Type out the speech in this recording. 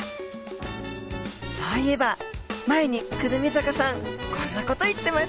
そういえば前に胡桃坂さんこんな事言ってました。